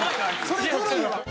それずるいわ。